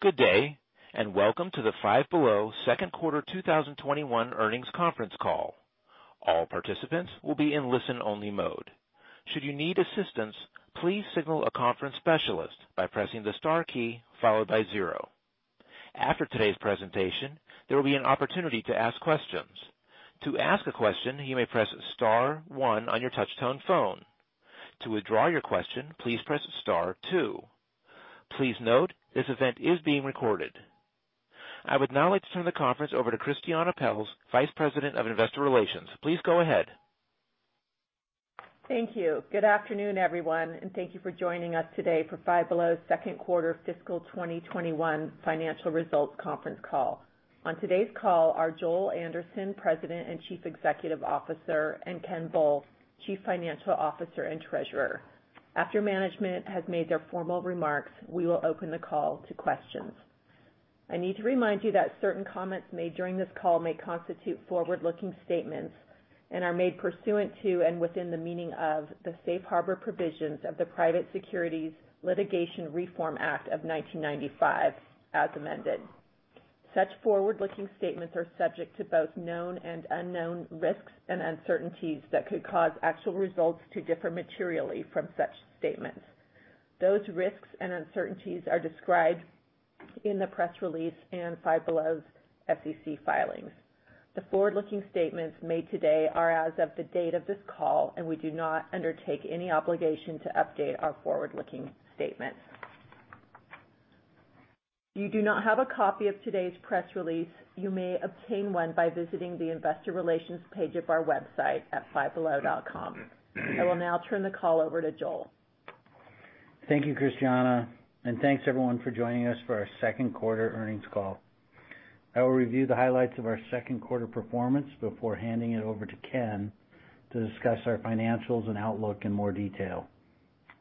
Good day, and welcome to the Five Below Second Quarter 2021 Earnings Conference Call. All participants will be in listen only mode. Should you need assistance, please signal a conference specialist by pressing the star key followed by zero. After today's presentation, there will be an opportunity to ask questions. To ask a question, you may press star one on your touchtone phone. To withdraw your question, please press star two. Please note, this event is being recorded. I would now like to turn the conference over to Christiane Pelz, Vice President of Investor Relations. Please go ahead. Thank you. Good afternoon, everyone, and thank you for joining us today for Five Below Second Quarter Fiscal 2021 Financial Results Conference Call. On today's call are Joel Anderson, President and Chief Executive Officer, and Ken Bull, Chief Financial Officer and Treasurer. After management has made their formal remarks, we will open the call to questions. I need to remind you that certain comments made during this call may constitute forward-looking statements and are made pursuant to, and within the meaning of, the safe harbor provisions of the Private Securities Litigation Reform Act of 1995 as amended. Such forward-looking statements are subject to both known and unknown risks and uncertainties that could cause actual results to differ materially from such statements. Those risks and uncertainties are described in the press release and Five Below's SEC filings. The forward-looking statements made today are as of the date of this call, and we do not undertake any obligation to update our forward-looking statements. If you do not have a copy of today's press release, you may obtain one by visiting the investor relations page of our website at fivebelow.com. I will now turn the call over to Joel. Thank you, Christiane, and thanks, everyone, for joining us for our Second Quarter Earnings Call. I will review the highlights of our second quarter performance before handing it over to Ken to discuss our financials and outlook in more detail.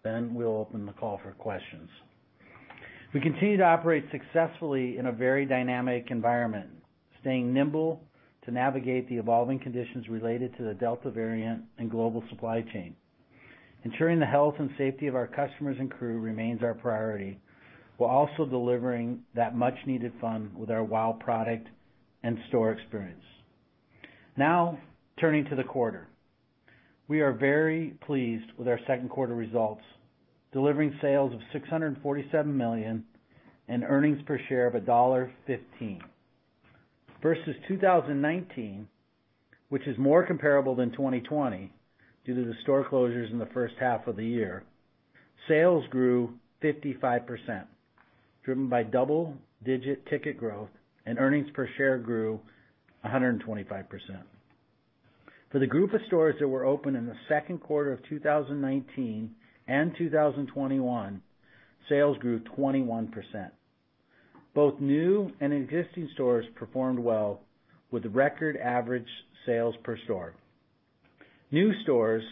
We'll open the call for questions. We continue to operate successfully in a very dynamic environment, staying nimble to navigate the evolving conditions related to the Delta variant and global supply chain. Ensuring the health and safety of our customers and crew remains our priority, while also delivering that much needed fun with our wow product and store experience. Now, turning to the quarter. We are very pleased with our second quarter results, delivering sales of $647 million and earnings per share of $1.15. Versus 2019, which is more comparable than 2020 due to the store closures in the first half of the year, sales grew 55%, driven by double-digit ticket growth and earnings per share grew 125%. For the group of stores that were open in the second quarter of 2019 and 2021, sales grew 21%. Both new and existing stores performed well with record average sales per store. New stores,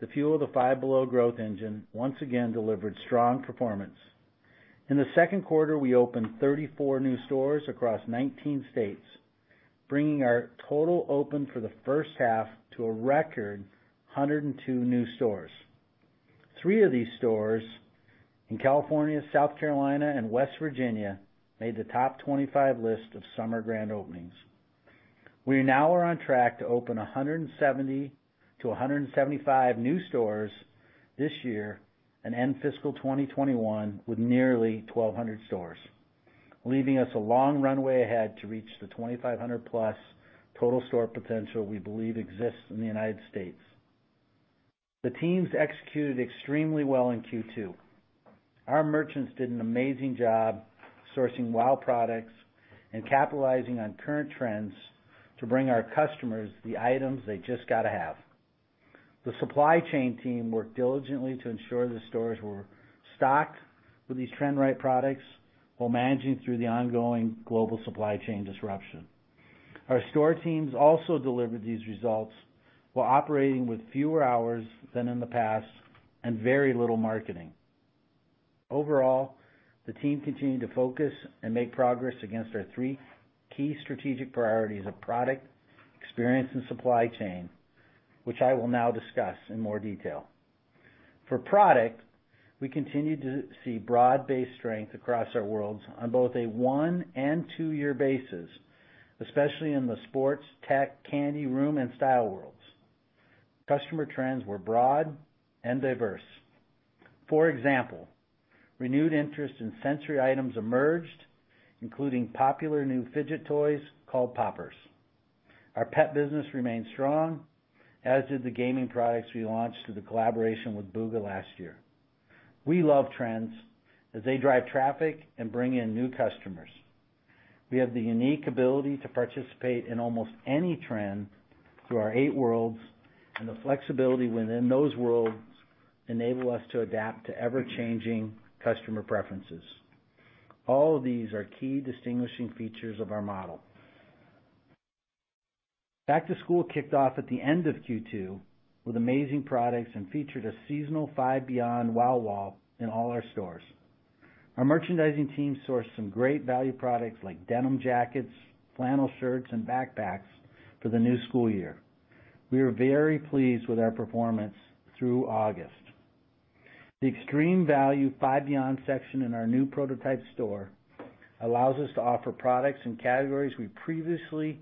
the fuel of the Five Below growth engine, once again delivered strong performance. In the second quarter, we opened 34 new stores across 19 states, bringing our total open for the first half to a record 102 new stores. Three of these stores in California, South Carolina, and West Virginia made the top 25 list of summer grand openings. We now are on track to open 170-175 new stores this year and end fiscal 2021 with nearly 1,200 stores, leaving us a long runway ahead to reach the 2,500 plus total store potential we believe exists in the United States. The teams executed extremely well in Q2. Our merchants did an amazing job sourcing wow products and capitalizing on current trends to bring our customers the items they just got to have. The supply chain team worked diligently to ensure the stores were stocked with these trend right products while managing through the ongoing global supply chain disruption. Our store teams also delivered these results while operating with fewer hours than in the past and very little marketing. Overall, the team continued to focus and make progress against our three key strategic priorities of product, experience, and supply chain, which I will now discuss in more detail. For product, we continued to see broad-based strength across our worlds on both a one and two year basis, especially in the sports, tech, candy, room, and style worlds. Customer trends were broad and diverse. For example, renewed interest in sensory items emerged, including popular new fidget toys called poppers. Our pet business remained strong, as did the gaming products we launched through the collaboration with Bugha last year. We love trends, as they drive traffic and bring in new customers. We have the unique ability to participate in almost any trend through our eight worlds, and the flexibility within those worlds enable us to adapt to ever-changing customer preferences. All of these are key distinguishing features of our model. Back to school kicked off at the end of Q2 with amazing products and featured a seasonal Five Beyond wow wall in all our stores. Our merchandising team sourced some great value products like denim jackets, flannel shirts, and backpacks for the new school year. We are very pleased with our performance through August. The extreme value Five Beyond section in our new prototype store allows us to offer products and categories we previously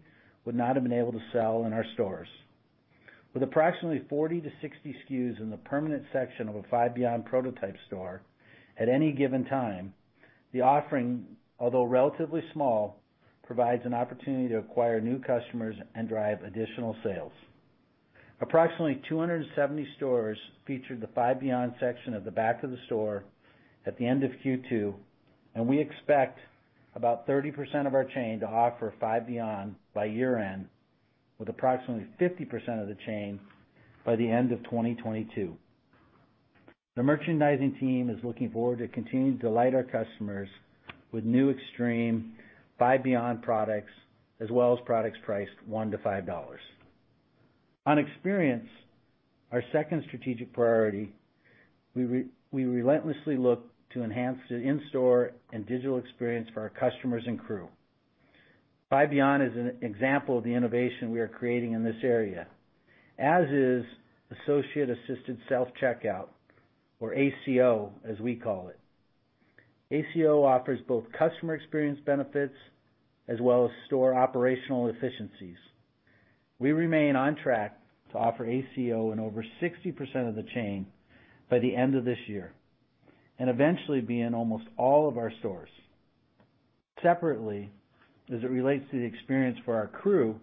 would not have been able to sell in our stores. With approximately 40-60 SKUs in the permanent section of a Five Beyond prototype store at any given time, the offering, although relatively small, provides an opportunity to acquire new customers and drive additional sales. Approximately 270 stores featured the Five Beyond section at the back of the store at the end of Q2, and we expect about 30% of our chain to offer Five Beyond by year-end, with approximately 50% of the chain by the end of 2022. The merchandising team is looking forward to continuing to delight our customers with new extreme Five Beyond products, as well as products priced $1-$5. On experience, our second strategic priority, we relentlessly look to enhance the in-store and digital experience for our customers and crew. Five Beyond is an example of the innovation we are creating in this area, as is Associate-Assisted Self-Checkout, or ACO, as we call it. ACO offers both customer experience benefits as well as store operational efficiencies. We remain on track to offer AACO in over 60% of the chain by the end of this year. Eventually be in almost all of our stores. Separately, as it relates to the experience for our crew,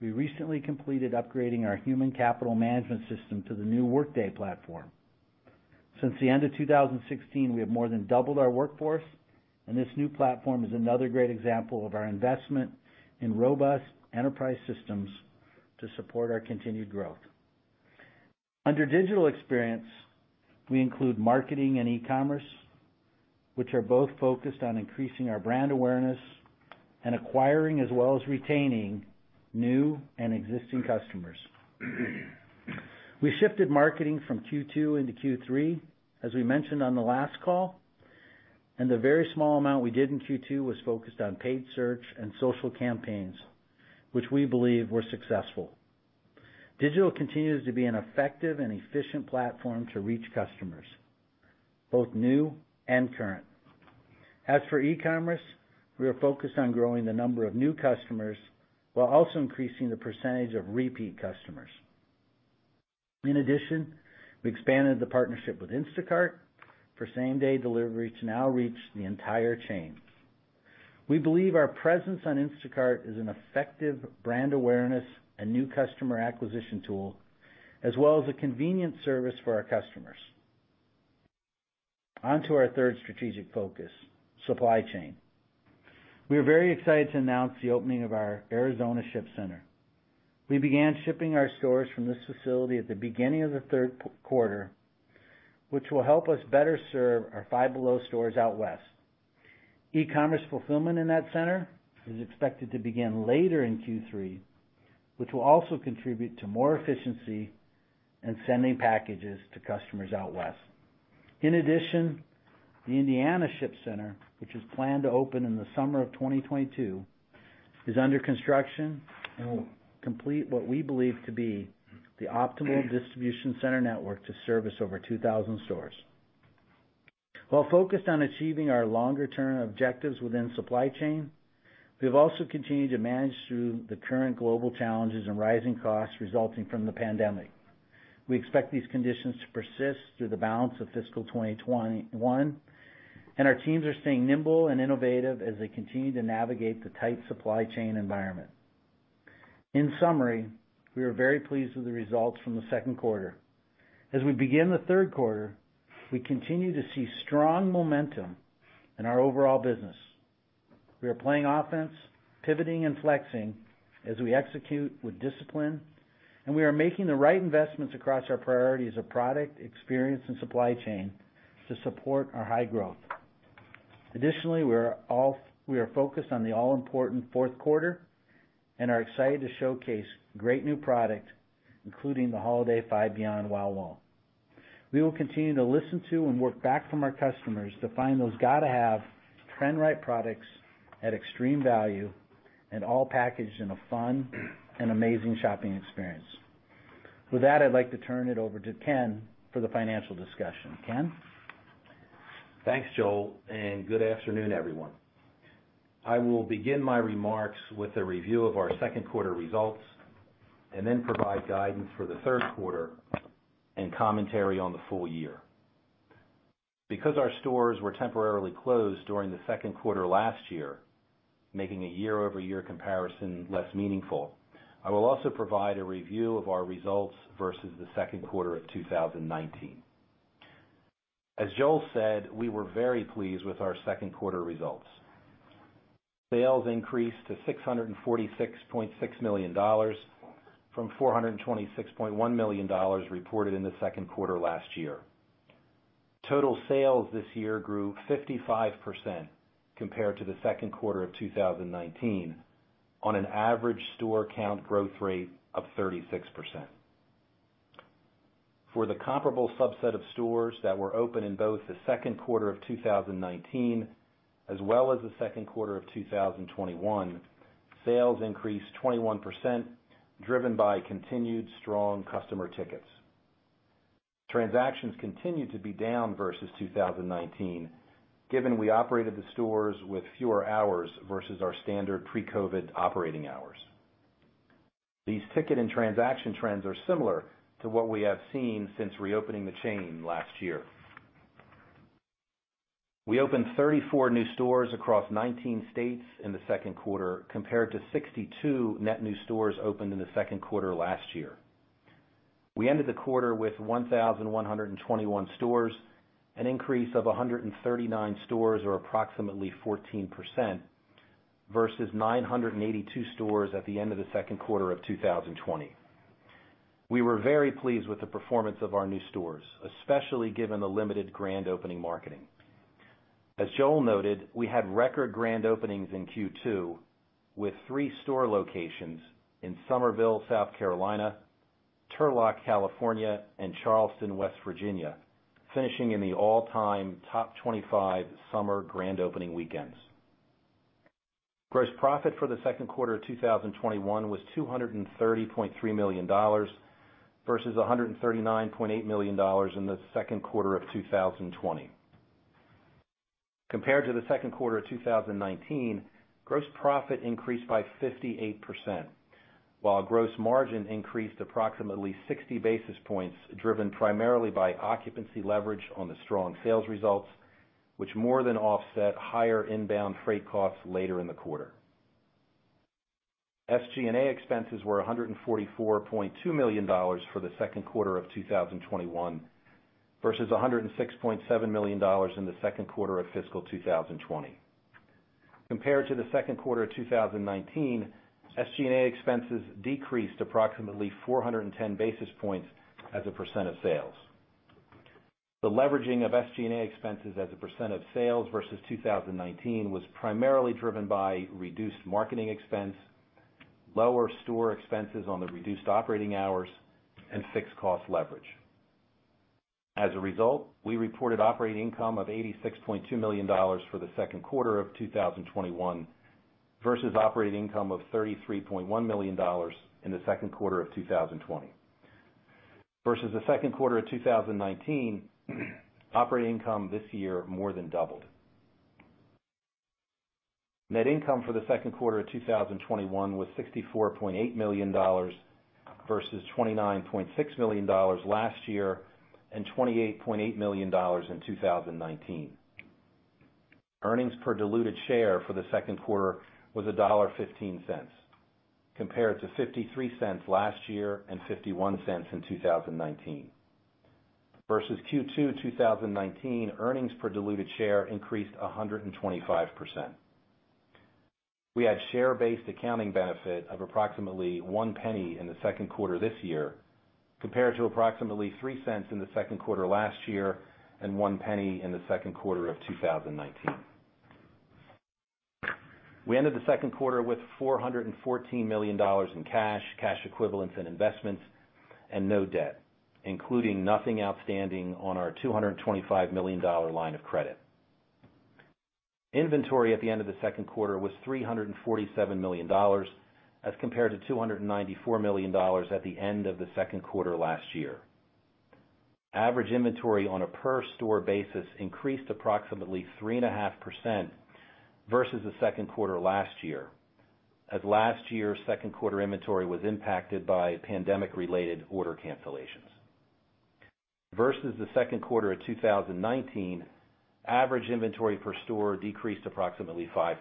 we recently completed upgrading our human capital management system to the new Workday platform. Since the end of 2016, we have more than doubled our workforce, and this new platform is another great example of our investment in robust enterprise systems to support our continued growth. Under digital experience, we include marketing and e-commerce, which are both focused on increasing our brand awareness and acquiring as well as retaining new and existing customers. We shifted marketing from Q2 into Q3, as we mentioned on the last call, and the very small amount we did in Q2 was focused on paid search and social campaigns, which we believe were successful. Digital continues to be an effective and efficient platform to reach customers, both new and current. As for e-commerce, we are focused on growing the number of new customers while also increasing the percentage of repeat customers. In addition, we expanded the partnership with Instacart for same-day delivery to now reach the entire chain. We believe our presence on Instacart is an effective brand awareness and new customer acquisition tool, as well as a convenient service for our customers. On to our third strategic focus, supply chain. We are very excited to announce the opening of our Arizona ship center. We began shipping our stores from this facility at the beginning of the third quarter, which will help us better serve our Five Below stores out west. E-commerce fulfillment in that center is expected to begin later in Q3, which will also contribute to more efficiency in sending packages to customers out west. In addition, the Indiana ship center, which is planned to open in the summer of 2022, is under construction and will complete what we believe to be the optimal distribution center network to service over 2,000 stores. While focused on achieving our longer-term objectives within supply chain, we've also continued to manage through the current global challenges and rising costs resulting from the pandemic. We expect these conditions to persist through the balance of fiscal 2021, and our teams are staying nimble and innovative as they continue to navigate the tight supply chain environment. In summary, we are very pleased with the results from the second quarter. As we begin the third quarter, we continue to see strong momentum in our overall business. We are playing offense, pivoting, and flexing as we execute with discipline, and we are making the right investments across our priorities of product, experience, and supply chain to support our high growth. Additionally, we are focused on the all-important fourth quarter and are excited to showcase great new product, including the holiday Five Beyond Wow Wall. We will continue to listen to and work back from our customers to find those got-to-have, trend-right products at extreme value, and all packaged in a fun and amazing shopping experience. With that, I'd like to turn it over to Ken for the financial discussion. Ken? Thanks, Joel, and good afternoon, everyone. I will begin my remarks with a review of our second quarter results and then provide guidance for the third quarter and commentary on the full year. Because our stores were temporarily closed during the second quarter last year, making a year-over-year comparison less meaningful, I will also provide a review of our results versus the second quarter of 2019. As Joel said, we were very pleased with our second quarter results. Sales increased to $646.6 million from $426.1 million reported in the second quarter last year. Total sales this year grew 55% compared to the second quarter of 2019 on an average store count growth rate of 36%. For the comparable subset of stores that were open in both the second quarter of 2019 as well as the second quarter of 2021, sales increased 21%, driven by continued strong customer tickets. Transactions continued to be down versus 2019, given we operated the stores with fewer hours versus our standard pre-COVID operating hours. These ticket and transaction trends are similar to what we have seen since reopening the chain last year. We opened 34 new stores across 19 states in the second quarter, compared to 62 net new stores opened in the second quarter last year. We ended the quarter with 1,121 stores, an increase of 139 stores, or approximately 14%, versus 982 stores at the end of the second quarter of 2020. We were very pleased with the performance of our new stores, especially given the limited grand opening marketing. As Joel noted, we had record grand openings in Q2, with three store locations in Summerville, South Carolina, Turlock, California, and Charleston, West Virginia, finishing in the all-time top 25 summer grand opening weekends. Gross profit for the second quarter of 2021 was $230.3 million, versus $139.8 million in the second quarter of 2020. Compared to the second quarter of 2019, gross profit increased by 58%, while gross margin increased approximately 60 basis points, driven primarily by occupancy leverage on the strong sales results, which more than offset higher inbound freight costs later in the quarter. SG&A expenses were $144.2 million for the second quarter of 2021 versus $106.7 million in the second quarter of fiscal 2020. Compared to the second quarter of 2019, SG&A expenses decreased approximately 410 basis points as a percent of sales. The leveraging of SG&A expenses as a percent of sales versus 2019 was primarily driven by reduced marketing expense, lower store expenses on the reduced operating hours, and fixed cost leverage. As a result, we reported operating income of $86.2 million for the second quarter of 2021 versus operating income of $33.1 million in the second quarter of 2020. Versus the second quarter of 2019, operating income this year more than doubled. Net income for the second quarter of 2021 was $64.8 million versus $29.6 million last year and $28.8 million in 2019. Earnings per diluted share for the second quarter was $1.15, compared to $0.53 last year and $0.51 in 2019. Versus Q2 2019, earnings per diluted share increased 125%. We had share-based accounting benefit of approximately $0.01 in the second quarter this year, compared to approximately $0.03 in the second quarter last year and $0.01 in the second quarter of 2019. We ended the second quarter with $414 million in cash equivalents, and investments, and no debt, including nothing outstanding on our $225 million line of credit. Inventory at the end of the second quarter was $347 million as compared to $294 million at the end of the second quarter last year. Average inventory on a per store basis increased approximately 3.5% versus the second quarter last year, as last year's second quarter inventory was impacted by pandemic related order cancellations. Versus the second quarter of 2019, average inventory per store decreased approximately 5%.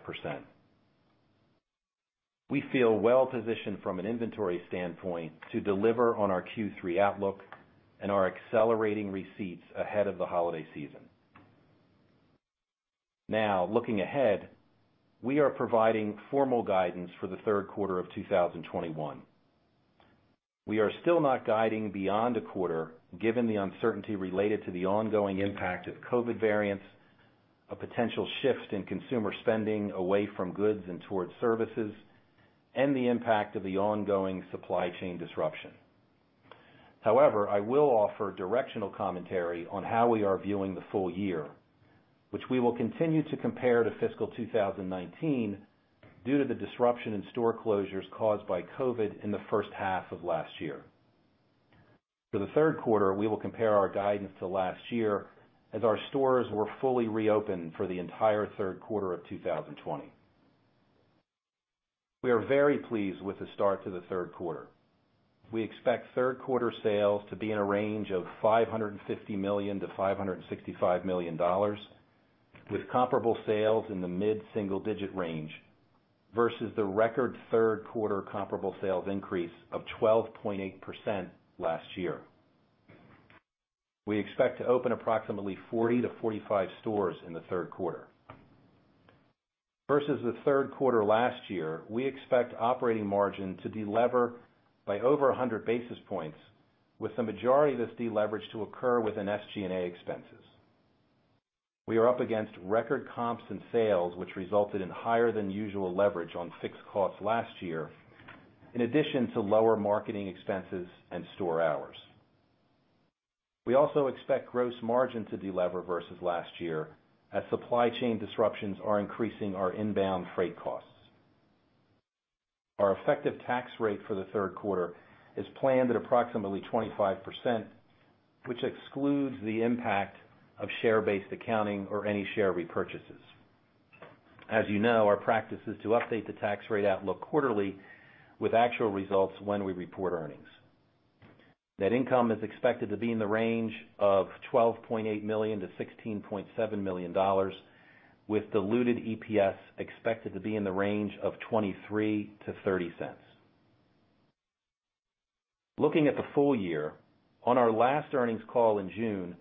We feel well positioned from an inventory standpoint to deliver on our Q3 outlook and our accelerating receipts ahead of the holiday season. Now, looking ahead, we are providing formal guidance for the third quarter of 2021. We are still not guiding beyond a quarter, given the uncertainty related to the ongoing impact of COVID variants, a potential shift in consumer spending away from goods and towards services, and the impact of the ongoing supply chain disruption. However, I will offer directional commentary on how we are viewing the full year, which we will continue to compare to fiscal 2019 due to the disruption in store closures caused by COVID in the first half of last year. For the third quarter, we will compare our guidance to last year as our stores were fully reopened for the entire third quarter of 2020. We are very pleased with the start to the third quarter. We expect third quarter sales to be in a range of $550 million-$565 million, with comparable sales in the mid-single digit range versus the record third quarter comparable sales increase of 12.8% last year. We expect to open approximately 40-45 stores in the third quarter. Versus the third quarter last year, we expect operating margin to delever by over 100 basis points, with the majority of this deleverage to occur within SG&A expenses. We are up against record comps and sales, which resulted in higher than usual leverage on fixed costs last year, in addition to lower marketing expenses and store hours. We also expect gross margin to delever versus last year, as supply chain disruptions are increasing our inbound freight costs. Our effective tax rate for the third quarter is planned at approximately 25%, which excludes the impact of share-based accounting or any share repurchases. As you know, our practice is to update the tax rate outlook quarterly with actual results when we report earnings. Net income is expected to be in the range of $12.8 million-$16.7 million, with diluted EPS expected to be in the range of $0.23-$0.30. Looking at the full year, on our last earnings call in June,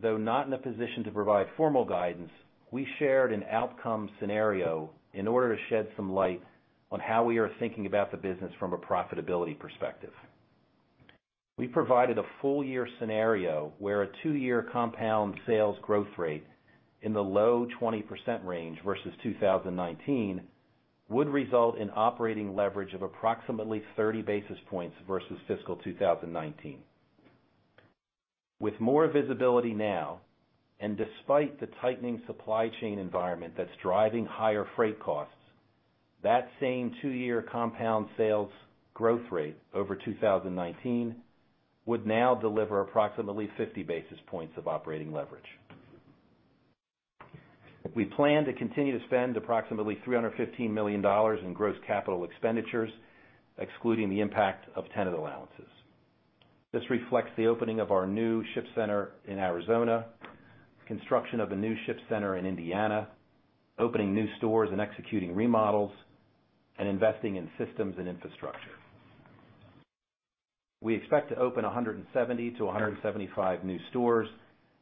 though not in a position to provide formal guidance, we shared an outcome scenario in order to shed some light on how we are thinking about the business from a profitability perspective. We provided a full year scenario where a two-year compound sales growth rate in the low 20% range versus 2019 would result in operating leverage of approximately 30 basis points versus fiscal 2019. With more visibility now, and despite the tightening supply chain environment that's driving higher freight costs, that same two-year compound sales growth rate over 2019 would now deliver approximately 50 basis points of operating leverage. We plan to continue to spend approximately $315 million in gross capital expenditures, excluding the impact of tenant allowances. This reflects the opening of our new ship center in Arizona, construction of a new ship center in Indiana, opening new stores and executing remodels, and investing in systems and infrastructure. We expect to open 170-175 new stores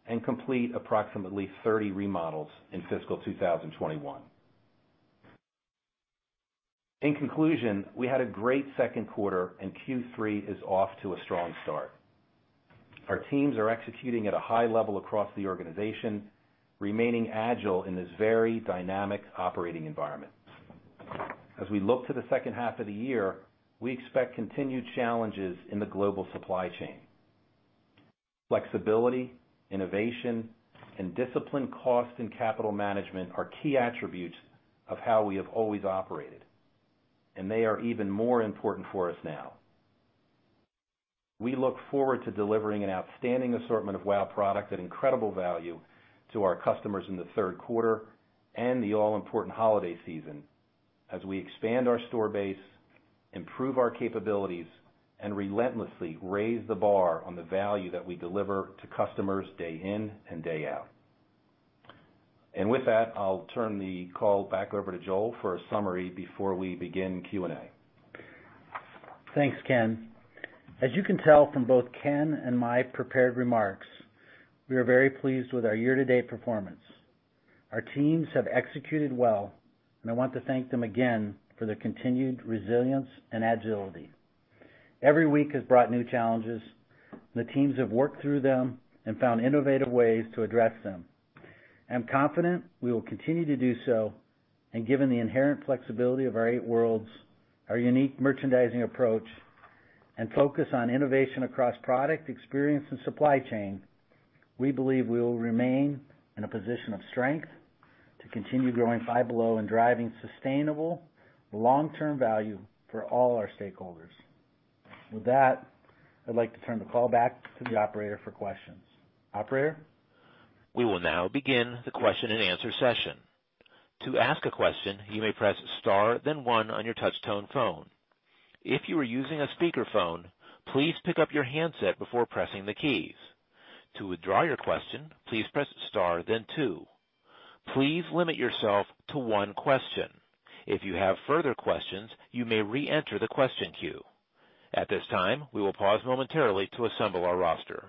and complete approximately 30 remodels in fiscal 2021. In conclusion, we had a great second quarter, and Q3 is off to a strong start. Our teams are executing at a high level across the organization, remaining agile in this very dynamic operating environment. As we look to the second half of the year, we expect continued challenges in the global supply chain. Flexibility, innovation, and disciplined cost and capital management are key attributes of how we have always operated, and they are even more important for us now. We look forward to delivering an outstanding assortment of wow product at incredible value to our customers in the third quarter and the all-important holiday season, as we expand our store base, improve our capabilities, and relentlessly raise the bar on the value that we deliver to customers day in and day out. With that, I'll turn the call back over to Joel for a summary before we begin Q&A. Thanks, Ken. As you can tell from both Ken and my prepared remarks, we are very pleased with our year-to-date performance. Our teams have executed well, and I want to thank them again for their continued resilience and agility. Every week has brought new challenges. The teams have worked through them and found innovative ways to address them. I'm confident we will continue to do so, and given the inherent flexibility of our eight worlds, our unique merchandising approach, and focus on innovation across product, experience, and supply chain, we believe we will remain in a position of strength to continue growing Five Below and driving sustainable long-term value for all our stakeholders. With that, I'd like to turn the call back to the operator for questions. Operator? We will now begin the question and answer session. To ask a question, you may press star then one on your touchtone phone. If you are using a speakerphone, please pick up your handset before pressing the keys. To withdraw your question, please press star then two. Please limit yourself to one question. If you have further questions, you may reenter the question queue. At this time, we will pause momentarily to assemble our roster.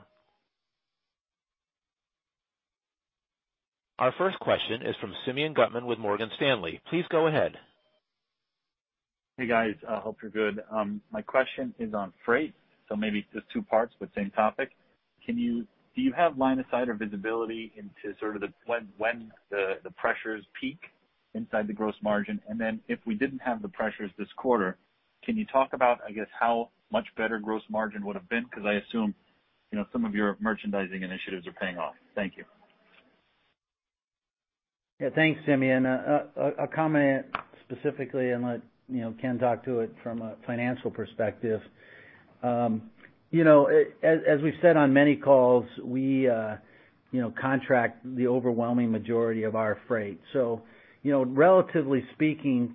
Our first question is from Simeon Gutman with Morgan Stanley. Please go ahead. Hey, guys. Hope you're good. My question is on freight, maybe just two parts, but same topic. Do you have line of sight or visibility into sort of when the pressures peak inside the gross margin? If we didn't have the pressures this quarter, can you talk about, I guess, how much better gross margin would've been? Because I assume some of your merchandising initiatives are paying off. Thank you. Thanks, Simeon. I'll comment specifically and let Ken talk to it from a financial perspective. As we've said on many calls, we contract the overwhelming majority of our freight. Relatively speaking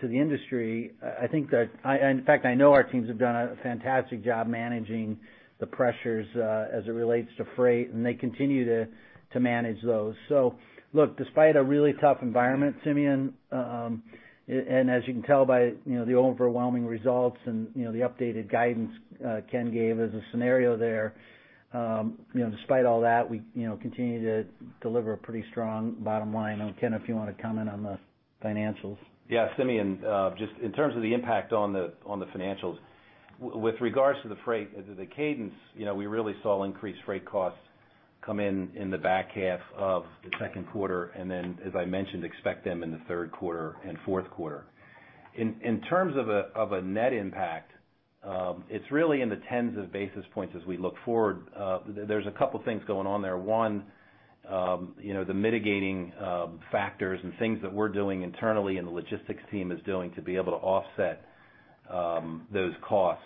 to the industry, in fact, I know our teams have done a fantastic job managing the pressures as it relates to freight, and they continue to manage those. Look, despite a really tough environment, Simeon, and as you can tell by the overwhelming results and the updated guidance Ken gave as a scenario there, despite all that, we continue to deliver a pretty strong bottom line, Ken, if you want to comment on the financials. Yeah, Simeon, just in terms of the impact on the financials. With regards to the freight, the cadence, we really saw increased freight costs come in the back half of the second quarter, then, as I mentioned, expect them in the third quarter and fourth quarter. In terms of a net impact, it's really in the tens of basis points as we look forward. There's a couple of things going on there. One, the mitigating factors and things that we're doing internally and the logistics team is doing to be able to offset those costs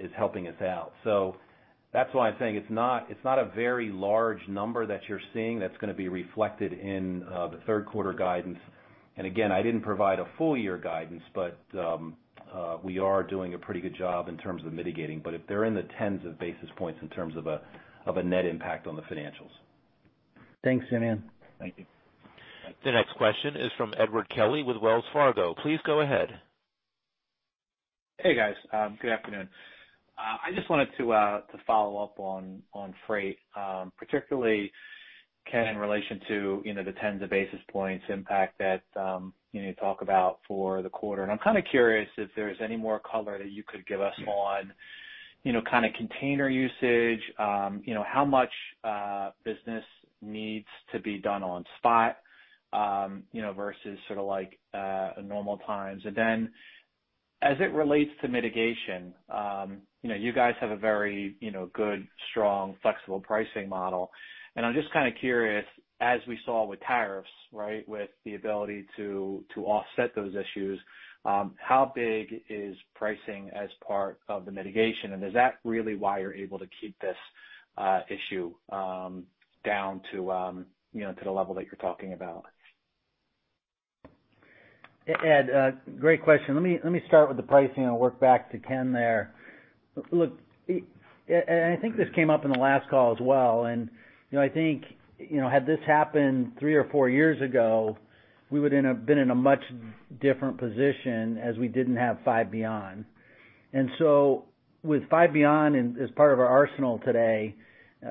is helping us out. That's why I'm saying it's not a very large number that you're seeing that's going to be reflected in the third quarter guidance. Again, I didn't provide a full year guidance, we are doing a pretty good job in terms of mitigating. They're in the tens of basis points in terms of a net impact on the financials. Thanks, Simeon. Thank you. The next question is from Edward Kelly with Wells Fargo. Please go ahead. Hey, guys. Good afternoon. I just wanted to follow up on freight, particularly Ken, in relation to the 10s of basis points impact that you talk about for the quarter. I'm kind of curious if there's any more color that you could give us on kind of container usage, how much business needs to be done on spot, versus sort of like normal times. As it relates to mitigation, you guys have a very good, strong, flexible pricing model. I'm just kind of curious, as we saw with tariffs, with the ability to offset those issues, how big is pricing as part of the mitigation, and is that really why you're able to keep this issue down to the level that you're talking about? Edward, great question. Let me start with the pricing and work back to Ken there. Look, I think this came up in the last call as well, I think, had this happened three or four years ago, we would have been in a much different position as we didn't have Five Beyond. With Five Beyond as part of our arsenal today,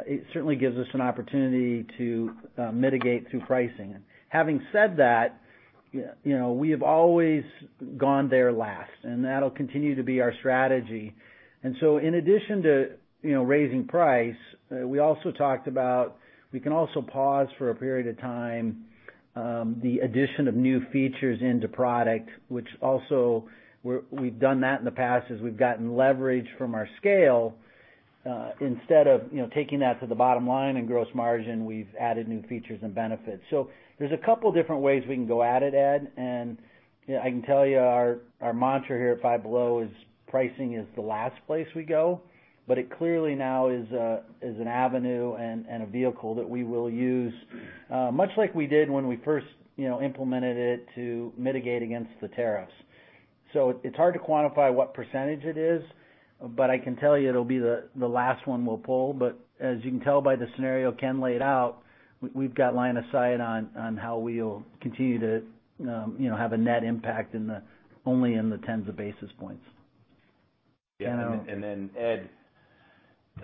it certainly gives us an opportunity to mitigate through pricing. Having said that, we have always gone there last, and that'll continue to be our strategy. In addition to raising price, we also talked about, we can also pause for a period of time the addition of new features into product, which also we've done that in the past as we've gotten leverage from our scale. Instead of taking that to the bottom line and gross margin, we've added new features and benefits. There's a couple different ways we can go at it, Edward, and I can tell you our mantra here at Five Below is pricing is the last place we go, but it clearly now is an avenue and a vehicle that we will use much like we did when we first implemented it to mitigate against the tariffs. It's hard to quantify what % it is, but I can tell you it'll be the last one we'll pull. As you can tell by the scenario Ken laid out, we've got line of sight on how we'll continue to have a net impact only in the tens of basis points. Ken? Yeah. Then Ed,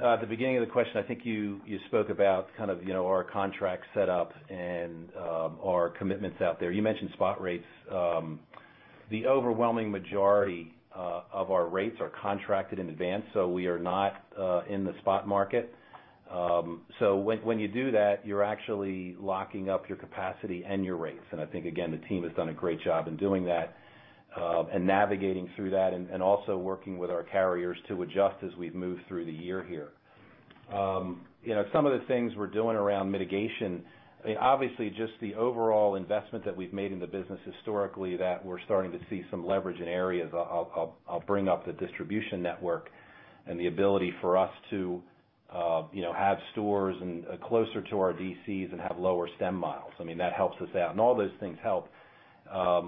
at the beginning of the question, I think you spoke about kind of our contract set up and our commitments out there. You mentioned spot rates. The overwhelming majority of our rates are contracted in advance, we are not in the spot market. When you do that, you're actually locking up your capacity and your rates. I think, again, the team has done a great job in doing that and navigating through that and also working with our carriers to adjust as we've moved through the year here. Some of the things we're doing around mitigation, obviously just the overall investment that we've made in the business historically that we're starting to see some leverage in areas. I'll bring up the distribution network and the ability for us to have stores closer to our DCs and have lower stem miles. That helps us out and all those things help.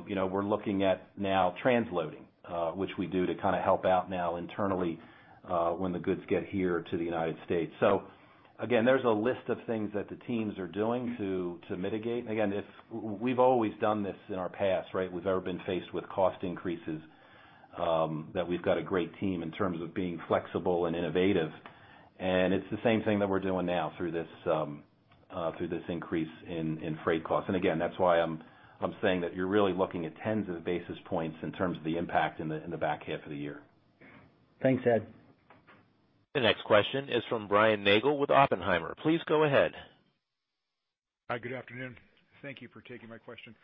We're looking at now transloading, which we do to kind of help out now internally when the goods get here to the U.S. Again, there's a list of things that the teams are doing to mitigate. Again, we've always done this in our past, we've ever been faced with cost increases, that we've got a great team in terms of being flexible and innovative, and it's the same thing that we're doing now through this increase in freight costs. Again, that's why I'm saying that you're really looking at tens of basis points in terms of the impact in the back half of the year. Thanks, Ed. The next question is from Brian Nagel with Oppenheimer. Please go ahead. Hi, good afternoon. Thank you for taking my question.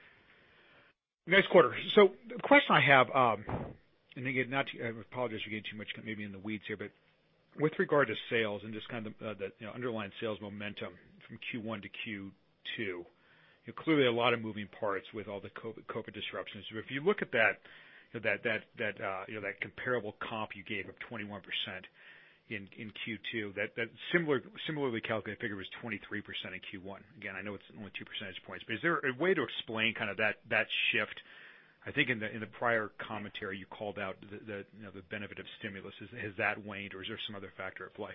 Nice quarter. The question I have, and again, I apologize if we get too much maybe in the weeds here, but with regard to sales and just kind of the underlying sales momentum from Q1 to Q2, clearly a lot of moving parts with all the COVID disruptions. If you look at that comparable comp you gave of 21% in Q2, that similarly calculated figure was 23% in Q1. Again, I know it's only 2 percentage points. Is there a way to explain kind of that shift? I think in the prior commentary you called out the benefit of stimulus. Has that waned or is there some other factor at play?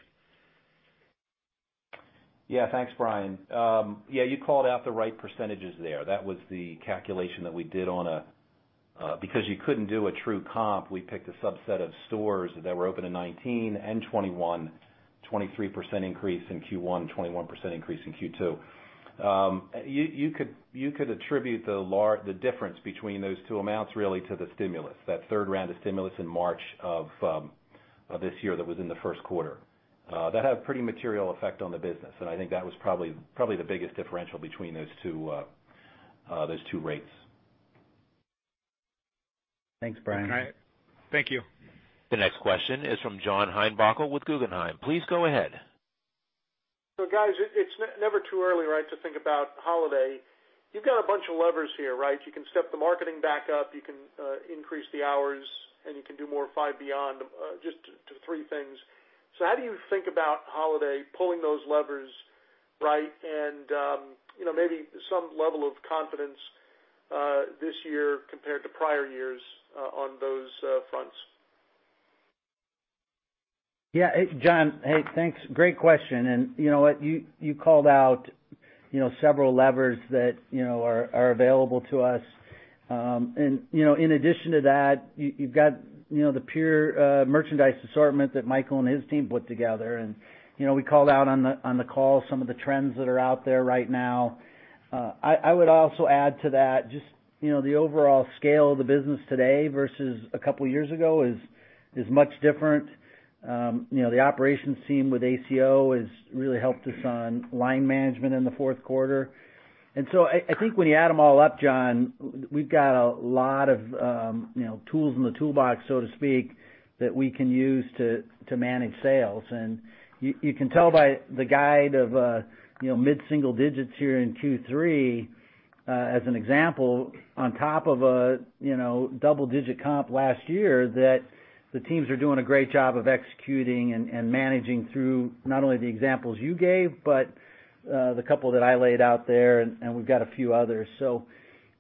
Yeah. Thanks, Brian. Yeah, you called out the right percentages there. That was the calculation that we did. Because you couldn't do a true comp, we picked a subset of stores that were open in 2019 and 2021, 23% increase in Q1, 21% increase in Q2. You could attribute the difference between those two amounts really to the stimulus. That third round of stimulus in March of this year that was in the first quarter. That had a pretty material effect on the business, and I think that was probably the biggest differential between those two rates. Thanks, Brian. All right. Thank you. The next question is from John Heinbockel with Guggenheim. Please go ahead. Guys, it's never too early, right, to think about holiday? You've got a bunch of levers here, right? You can step the marketing back up, you can increase the hours, and you can do more Five Beyond, just three things. How do you think about holiday, pulling those levers right and maybe some level of confidence this year compared to prior years on those fronts? Yeah. John, hey, thanks. Great question. You know what? You called out several levers that are available to us. In addition to that, you've got the pure merchandise assortment that Michael and his team put together. We called out on the call some of the trends that are out there right now. I would also add to that just the overall scale of the business today versus a couple of years ago is much different. The operations team with ACO has really helped us on line management in the fourth quarter. I think when you add them all up, John, we've got a lot of tools in the toolbox, so to speak, that we can use to manage sales. You can tell by the guide of mid-single digits here in Q3, as an example, on top of a double-digit comp last year, that the teams are doing a great job of executing and managing through not only the examples you gave, but the couple that I laid out there, and we've got a few others.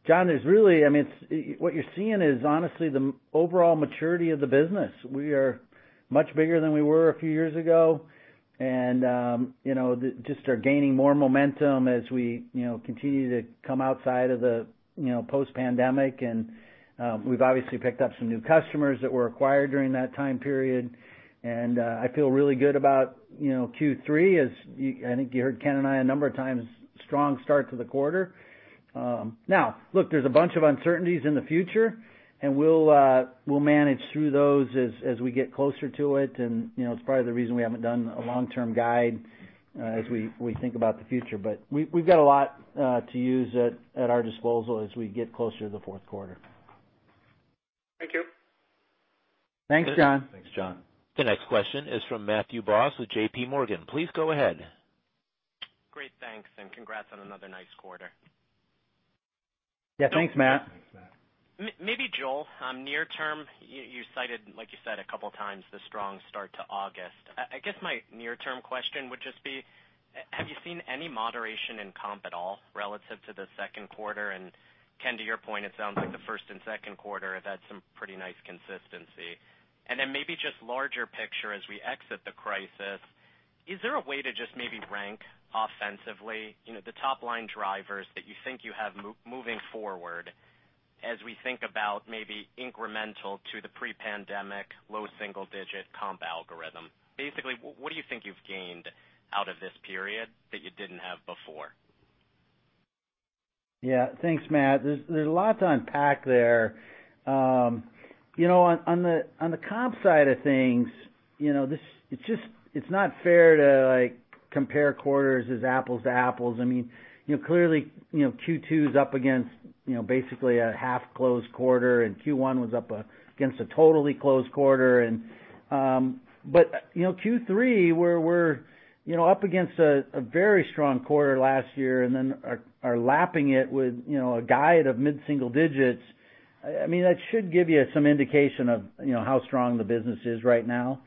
John, what you're seeing is honestly the overall maturity of the business. We are much bigger than we were a few years ago, and just are gaining more momentum as we continue to come outside of the post-pandemic. We've obviously picked up some new customers that were acquired during that time period. I feel really good about Q3 as I think you heard Ken and I a number of times, strong start to the quarter. Look, there's a bunch of uncertainties in the future, and we'll manage through those as we get closer to it. It's probably the reason we haven't done a long-term guide as we think about the future. We've got a lot to use at our disposal as we get closer to the fourth quarter. Thank you. Thanks, John. Thanks, John. The next question is from Matthew Boss with JP Morgan. Please go ahead. Great, thanks, and congrats on another nice quarter. Yeah, thanks, Matt. Thanks, Matt. Maybe Joel, near term, you cited, like you said a couple of times, the strong start to August. I guess my near-term question would just be, have you seen any moderation in comp at all relative to the second quarter? Ken, to your point, it sounds like the first and second quarter had some pretty nice consistency. Then maybe just larger picture as we exit the crisis, is there a way to just maybe rank offensively the top-line drivers that you think you have moving forward as we think about maybe incremental to the pre-pandemic, low single-digit comp algorithm? Basically, what do you think you've gained out of this period that you didn't have before? Yeah. Thanks, Matt. There's a lot to unpack there. On the comp side of things, it's not fair to compare quarters as apples to apples. Clearly, Q2 is up against basically a half-closed quarter, and Q1 was up against a totally closed quarter. Q3, we're up against a very strong quarter last year and then are lapping it with a guide of mid-single digits. That should give you some indication of how strong the business is right now.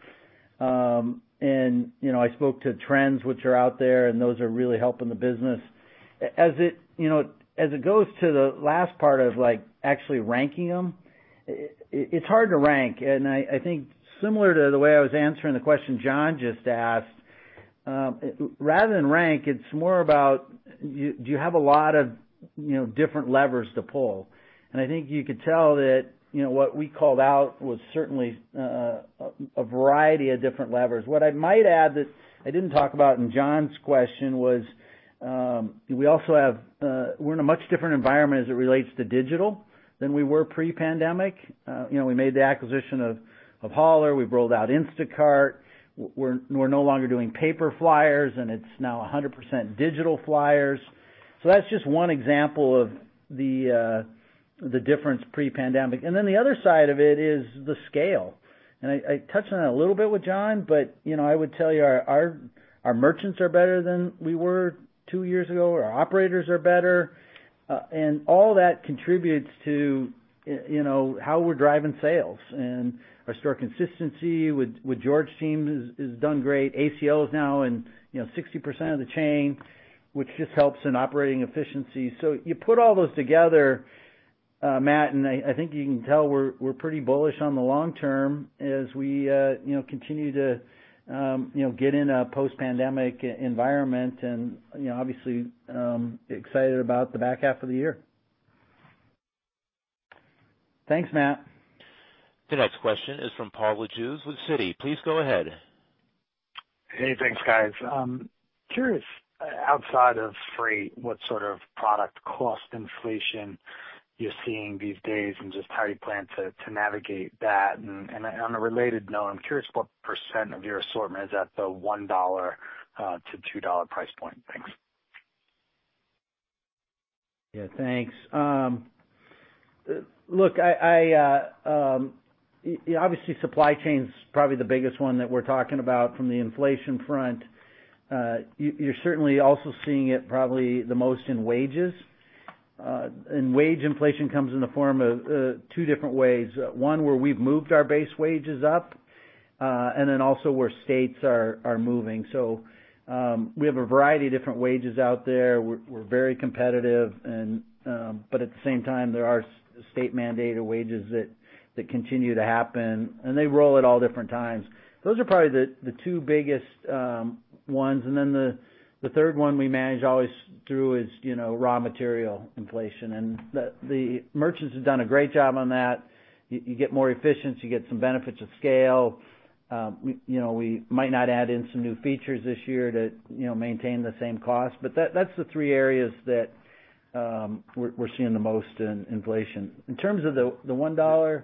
I spoke to trends which are out there, and those are really helping the business. As it goes to the last part of actually ranking them, it's hard to rank. I think similar to the way I was answering the question John just asked, rather than rank, it's more about do you have a lot of different levers to pull? I think you could tell that what we called out was certainly a variety of different levers. What I might add that I didn't talk about in John's question was, we're in a much different environment as it relates to digital than we were pre-pandemic. We made the acquisition of Hollar, we've rolled out Instacart. We're no longer doing paper flyers, and it's now 100% digital flyers. That's just one example of the difference pre-pandemic. Then the other side of it is the scale. I touched on it a little bit with John, but I would tell you, our merchants are better than we were two years ago. Our operators are better. All that contributes to how we're driving sales and our store consistency with George's team has done great. ACO is now in 60% of the chain, which just helps in operating efficiency. You put all those together, Matt, and I think you can tell we're pretty bullish on the long term as we continue to get in a post-pandemic environment and obviously, excited about the back half of the year. Thanks, Matt. The next question is from Paul Lejuez with Citi. Please go ahead. Hey, thanks, guys. Curious, outside of freight, what sort of product cost inflation you're seeing these days, and just how you plan to navigate that? On a related note, I'm curious what percent of your assortment is at the $1-$2 price point. Thanks. Yeah, thanks. Look, obviously, supply chain's probably the biggest one that we're talking about from the inflation front. You're certainly also seeing it probably the most in wages. Wage inflation comes in the form of two different ways. one, where we've moved our base wages up, and then also where states are moving. We have a variety of different wages out there. We're very competitive but at the same time, there are state-mandated wages that continue to happen, and they roll at all different times. Those are probably the two biggest ones. The third one we manage always through is raw material inflation. The merchants have done a great job on that. You get more efficiency, you get some benefits of scale. We might not add in some new features this year to maintain the same cost. That's the three areas that we're seeing the most in inflation. In terms of the $1...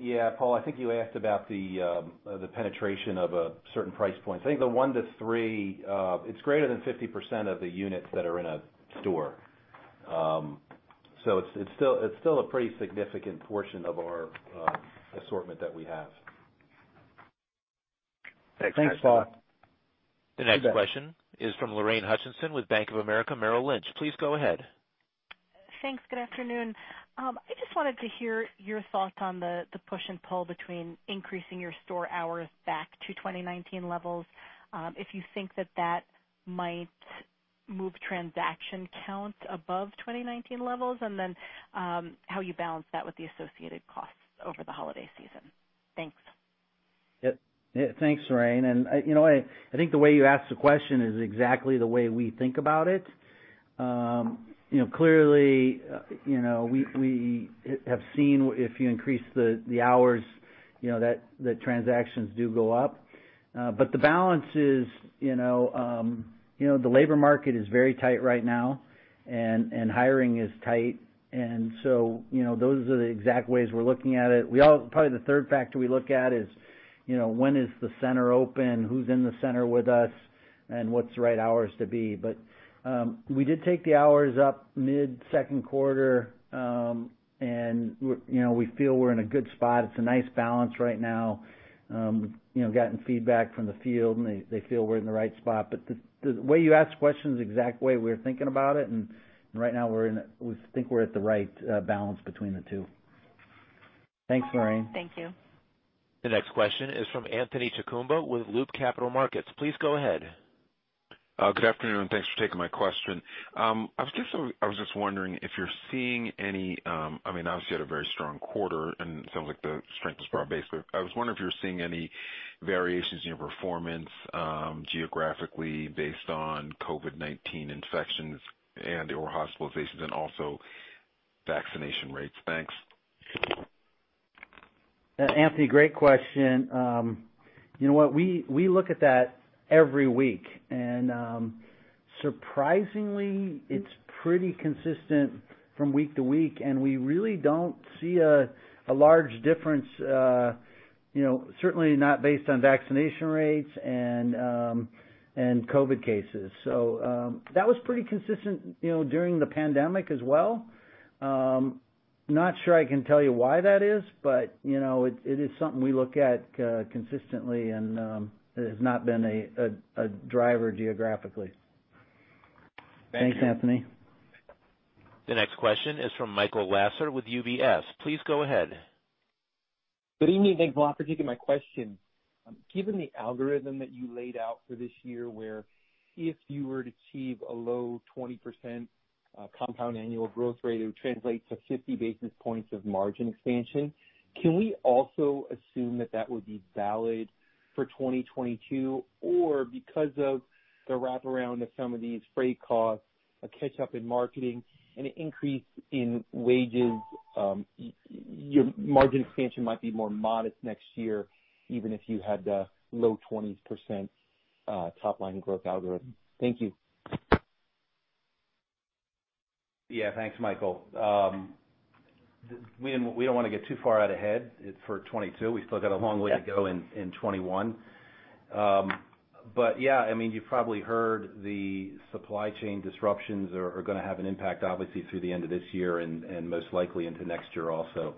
Yeah, Paul, I think you asked about the penetration of a certain price point. I think the one to three, it's greater than 50% of the units that are in a store. It's still a pretty significant portion of our assortment that we have. Thanks, guys. Thanks, Paul. The next question is from Lorraine Hutchinson with Bank of America Merrill Lynch. Please go ahead. Thanks. Good afternoon. I just wanted to hear your thoughts on the push and pull between increasing your store hours back to 2019 levels, if you think that that might move transaction count above 2019 levels, and then how you balance that with the associated costs over the holiday season. Thanks. Yep. Thanks, Lorraine. I think the way you asked the question is exactly the way we think about it. Clearly, we have seen if you increase the hours, the transactions do go up. The balance is the labor market is very tight right now and hiring is tight, those are the exact ways we're looking at it. Probably the third factor we look at is when is the center open, who's in the center with us, and what's the right hours to be. We did take the hours up mid-second quarter, and we feel we're in a good spot. It's a nice balance right now. We've gotten feedback from the field, and they feel we're in the right spot. The way you asked the question is the exact way we're thinking about it, and right now, we think we're at the right balance between the two. Thanks, Lorraine. Thank you. The next question is from Anthony Chukumba with Loop Capital Markets. Please go ahead. Good afternoon, thanks for taking my question. Obviously, you had a very strong quarter, and it sounds like the strength is broad-based, but I was wondering if you were seeing any variations in your performance geographically based on COVID-19 infections and/or hospitalizations and also vaccination rates. Thanks. Anthony, great question. You know what, we look at that every week, and surprisingly, it's pretty consistent from week to week, and we really don't see a large difference, certainly not based on vaccination rates and COVID cases. That was pretty consistent during the pandemic as well. Not sure I can tell you why that is, but it is something we look at consistently and it has not been a driver geographically. Thank you. Thanks, Anthony. The next question is from Michael Lasser with UBS. Please go ahead. Good evening. Thanks a lot for taking my question. Given the algorithm that you laid out for this year where if you were to achieve a low 20% compound annual growth rate, it would translate to 50 basis points of margin expansion, can we also assume that that would be valid for 2022? Because of the wraparound of some of these freight costs, a catch-up in marketing, and an increase in wages, your margin expansion might be more modest next year, even if you had the low 20% top-line growth algorithm? Thank you. Yeah. Thanks, Michael. We don't want to get too far out ahead for 2022. We've still got a long way to go in 2021. Yeah, you've probably heard the supply chain disruptions are gonna have an impact, obviously, through the end of this year and most likely into next year also.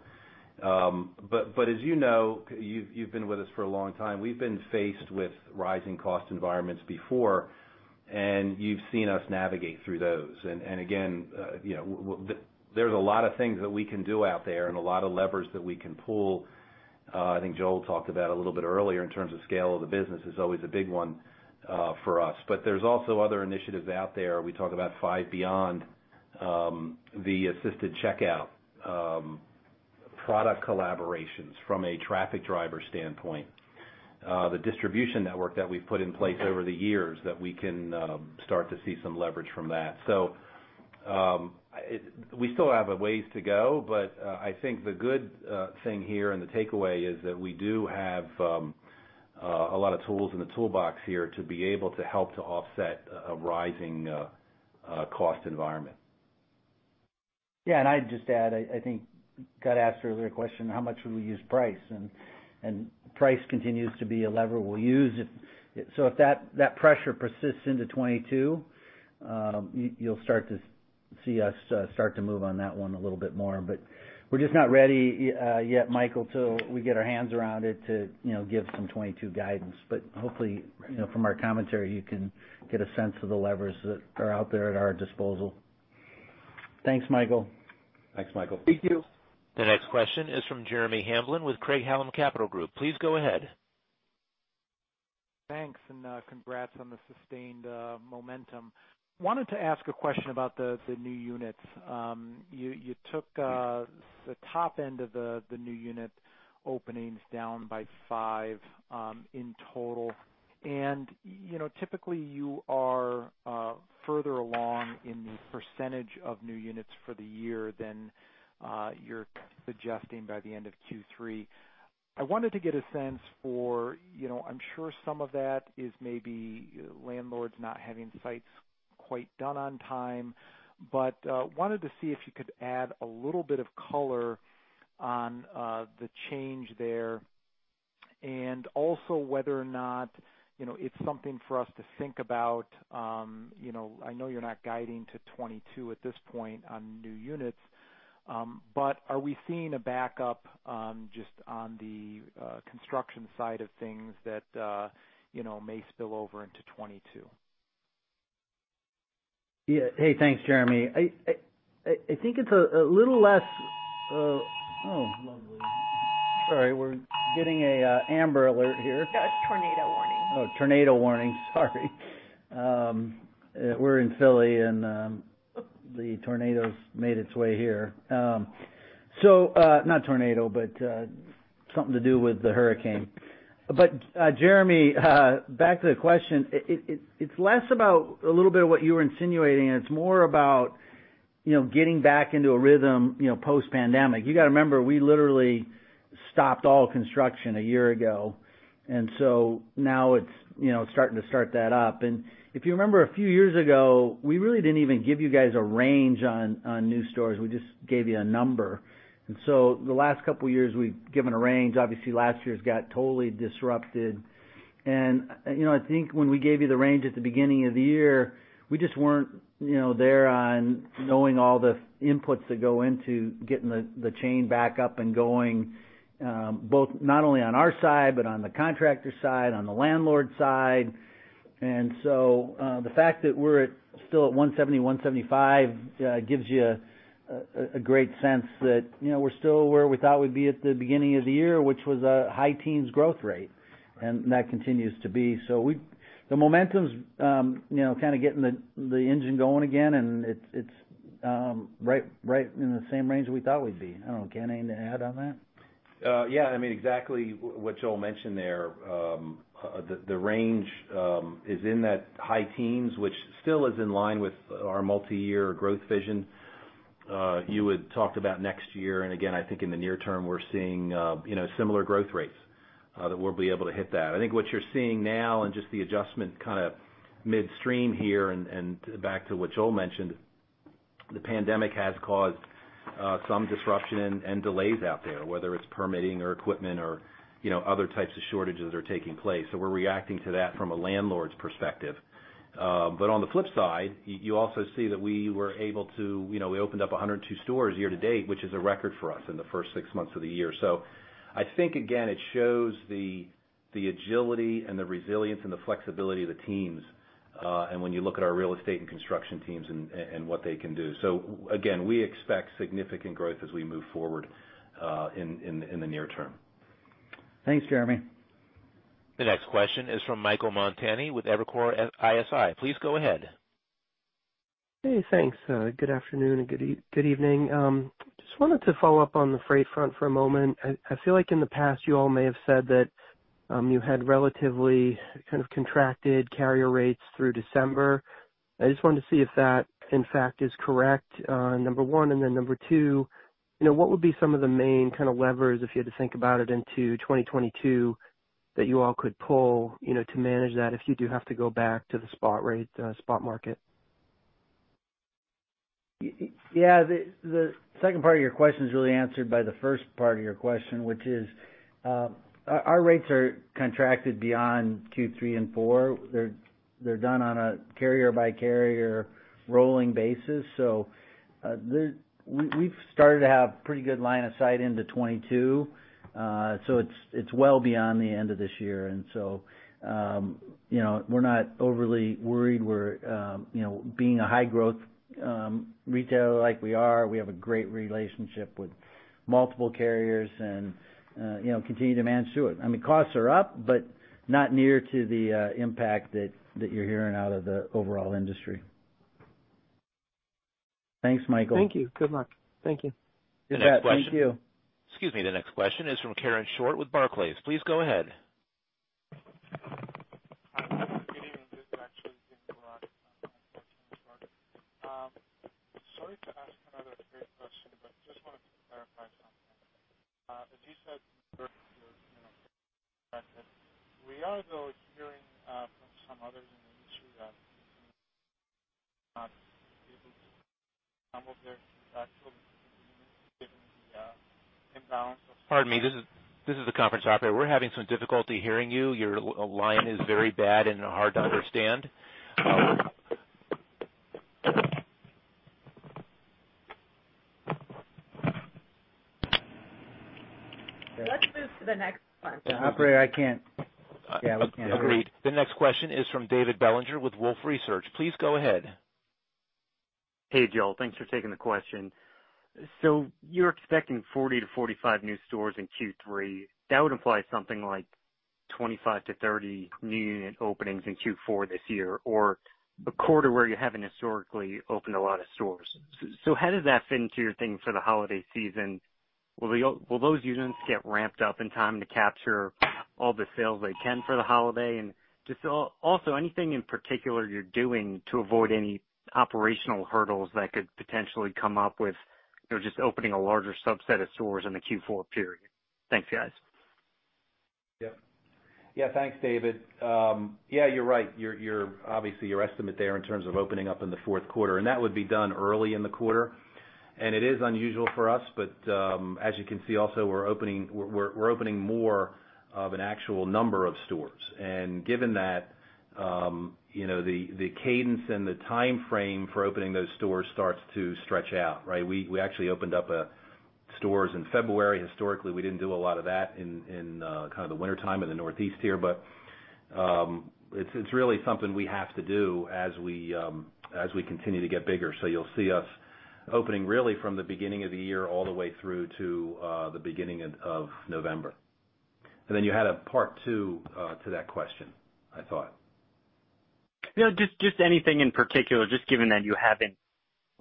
As you know, you've been with us for a long time, we've been faced with rising cost environments before, and you've seen us navigate through those. Again, there's a lot of things that we can do out there and a lot of levers that we can pull. I think Joel talked about a little bit earlier in terms of scale of the business is always a big one for us. There's also other initiatives out there. We talk about Five Beyond, the assisted checkout, product collaborations from a traffic driver standpoint. The distribution network that we've put in place over the years, that we can start to see some leverage from that. We still have a ways to go, but I think the good thing here and the takeaway is that we do have a lot of tools in the toolbox here to be able to help to offset a rising cost environment. I'd just add, I think, got asked earlier a question, how much will we use price? Price continues to be a lever we'll use. If that pressure persists into 2022, you'll start to see us start to move on that one a little bit more. We're just not ready yet, Michael, till we get our hands around it to give some 2022 guidance. Hopefully, from our commentary, you can get a sense of the levers that are out there at our disposal. Thanks, Michael. Thanks, Michael. Thank you. The next question is from Jeremy Hamblin with Craig-Hallum Capital Group. Please go ahead. Thanks, congrats on the sustained momentum. Wanted to ask a question about the new units. You took the top end of the new unit openings down by five in total. Typically, you are further along in the percentage of new units for the year than you're suggesting by the end of Q3. I wanted to get a sense for I'm sure some of that is maybe landlords not having sites quite done on time, but wanted to see if you could add a little bit of color on the change there. Also whether or not it's something for us to think about. I know you're not guiding to 2022 at this point on new units. Are we seeing a backup just on the construction side of things that may spill over into 2022? Yeah. Hey, thanks, Jeremy. I think it's a little less Oh, lovely. Sorry, we're getting a Amber Alert here. No, it's tornado warning. Oh, tornado warning, sorry. We're in Philly and the tornado's made its way here. Not tornado, but something to do with the hurricane. Jeremy, back to the question. It's less about a little bit of what you were insinuating, and it's more about getting back into a rhythm post-pandemic. You got to remember, we literally stopped all construction a year ago, now it's starting to start that up. If you remember a few years ago, we really didn't even give you guys a range on new stores. We just gave you a number. The last couple of years, we've given a range. Obviously, last year, it got totally disrupted. I think when we gave you the range at the beginning of the year, we just weren't there on knowing all the inputs that go into getting the chain back up and going, both not only on our side but on the contractor side, on the landlord side. The fact that we're still at 170, 175 gives you a great sense that we're still where we thought we'd be at the beginning of the year, which was a high teens growth rate. That continues to be. The momentum's kind of getting the engine going again, and it's right in the same range we thought we'd be. I don't know, Ken, anything to add on that? Yeah, exactly what Joel mentioned there. The range is in that high teens, which still is in line with our multi-year growth vision. You had talked about next year, and again, I think in the near term, we're seeing similar growth rates that we'll be able to hit that. I think what you're seeing now and just the adjustment kind of midstream here, and back to what Joel mentioned, the pandemic has caused some disruption and delays out there, whether it's permitting or equipment or other types of shortages that are taking place. We're reacting to that from a landlord's perspective. On the flip side, you also see that We opened up 102 stores year to date, which is a record for us in the first six months of the year. I think, again, it shows the agility and the resilience and the flexibility of the teams, and when you look at our real estate and construction teams and what they can do. Again, we expect significant growth as we move forward in the near term. Thanks, Jeremy. The next question is from Michael Montani with Evercore ISI. Please go ahead. Hey, thanks. Good afternoon and good evening. I just wanted to follow up on the freight front for a moment. I feel like in the past, you all may have said that you had relatively kind of contracted carrier rates through December. I just wanted to see if that, in fact, is correct, number one. Number two, what would be some of the main kind of levers, if you had to think about it into 2022, that you all could pull to manage that if you do have to go back to the spot rate, spot market? Yeah. The second part of your question is really answered by the first part of your question, which is, our rates are contracted beyond Q3 and Q4. They're done on a carrier by carrier rolling basis. We've started to have pretty good line of sight into 2022. It's well beyond the end of this year. We're not overly worried. Being a high growth retailer like we are, we have a great relationship with multiple carriers and continue to manage through it. Costs are up, but not near to the impact that you're hearing out of the overall industry. Thanks, Michael. Thank you. Good luck. Thank you. Thank you. Excuse me. The next question is from Karen Short with Barclays. Please go ahead. Hi. Good evening. This is actually Karen Short. Sorry to ask another trade question, but just wanted to clarify something. As you said, we are, though, hearing from some others in the industry that some of their actual given the imbalance of... Pardon me. This is the Conference Operator. We're having some difficulty hearing you. Your line is very bad and hard to understand. Let's move to the next one. Yeah. Operator, I can't... Yeah, we can't hear her. Agreed. The next question is from David Bellinger with Wolfe Research. Please go ahead. Hey, Joel. Thanks for taking the question. You're expecting 40-45 new stores in Q3. That would imply something like 25-30 new unit openings in Q4 this year, or a quarter where you haven't historically opened a lot of stores. How does that fit into your thing for the holiday season? Will those units get ramped up in time to capture all the sales they can for the holiday? Just also, anything in particular you're doing to avoid any operational hurdles that could potentially come up with just opening a larger subset of stores in the Q4 period? Thanks, guys. Yeah. Thanks, David. Yeah, you're right. Obviously, your estimate there in terms of opening up in the fourth quarter, and that would be done early in the quarter. It is unusual for us, but, as you can see also, we're opening more of an actual number of stores. Given that, the cadence and the timeframe for opening those stores starts to stretch out, right? We actually opened up stores in February. Historically, we didn't do a lot of that in the wintertime in the Northeast here. It's really something we have to do as we continue to get bigger. You'll see us opening really from the beginning of the year all the way through to the beginning of November. You had a part two to that question, I thought. No, just anything in particular, just given that you haven't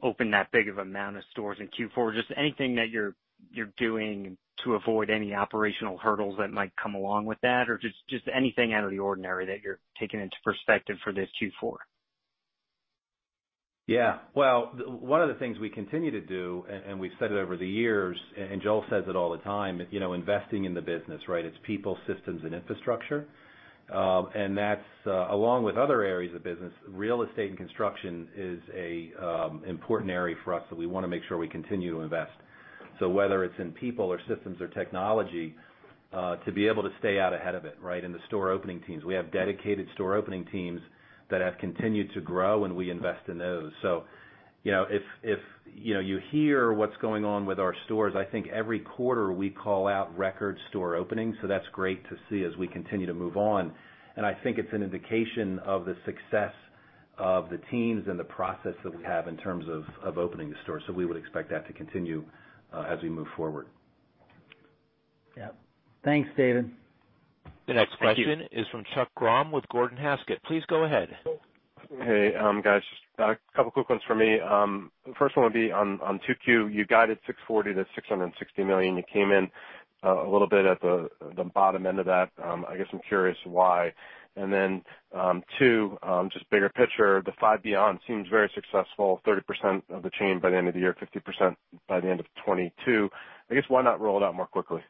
opened that big of amount of stores in Q4, just anything that you're doing to avoid any operational hurdles that might come along with that, or just anything out of the ordinary that you're taking into perspective for this Q4? Yeah. Well, one of the things we continue to do, and we've said it over the years, and Joel says it all the time, investing in the business, right? It's people, systems, and infrastructure. That's along with other areas of the business. Real estate and construction is an important area for us that we want to make sure we continue to invest. Whether it's in people or systems or technology, to be able to stay out ahead of it, right, and the store opening teams. We have dedicated store opening teams that have continued to grow, and we invest in those. If you hear what's going on with our stores, I think every quarter we call out record store openings, so that's great to see as we continue to move on. I think it's an indication of the success of the teams and the process that we have in terms of opening the stores, so we would expect that to continue as we move forward. Yeah. Thanks, David. Thank you. The next question is from Chuck Grom with Gordon Haskett. Please go ahead. Hey, guys. Just a couple quick ones for me. First one would be on 2Q. You guided $640 million-$660 million. You came in a little bit at the bottom end of that. I guess I'm curious why? Two, just bigger picture. The Five Beyond seems very successful. 30% of the chain by the end of the year, 50% by the end of 2022. I guess, why not roll it out more quickly?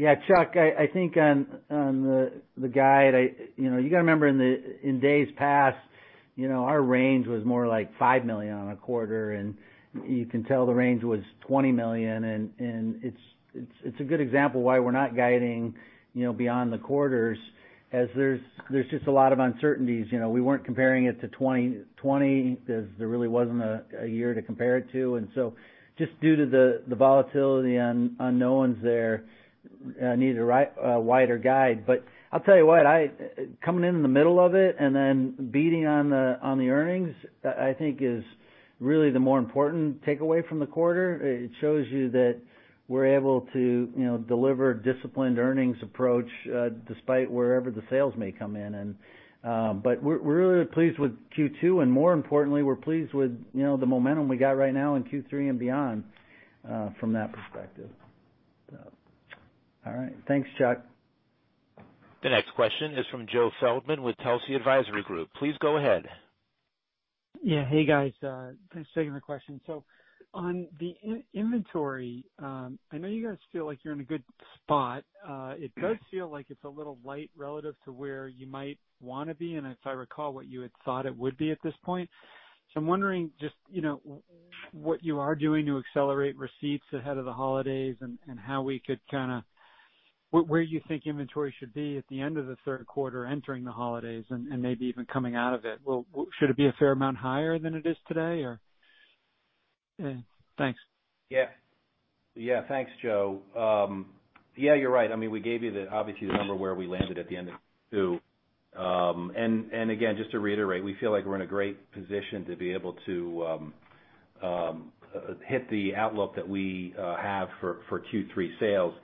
Yeah. Chuck, I think on the guide, you got to remember in days past, our range was more like $5 million on a quarter, and you can tell the range was $20 million. It's a good example why we're not guiding beyond the quarters, as there's just a lot of uncertainties. We weren't comparing it to 2020 because there really wasn't a year to compare it to. Just due to the volatility and unknowns there, needed a wider guide. I'll tell you what, coming in in the middle of it and then beating on the earnings, I think is really the more important takeaway from the quarter. It shows you that we're able to deliver disciplined earnings approach despite wherever the sales may come in. We're really pleased with Q2, and more importantly, we're pleased with the momentum we got right now in Q3 and beyond from that perspective. All right. Thanks, Chuck. The next question is from Joe Feldman with Telsey Advisory Group. Please go ahead. Yeah. Hey, guys. Thanks for taking the question. On the inventory, I know you guys feel like you're in a good spot. It does feel like it's a little light relative to where you might want to be, and if I recall, what you had thought it would be at this point. I'm wondering just what you are doing to accelerate receipts ahead of the holidays and how we could kind of where you think inventory should be at the end of the third quarter entering the holidays and maybe even coming out of it. Should it be a fair amount higher than it is today, or? Yeah. Thanks. Yeah. Thanks, Joe. Yeah, you're right. I mean, we gave you obviously the number where we landed at the end of Q2. Again, just to reiterate, we feel like we're in a great position to be able to hit the outlook that we have for Q3 sales.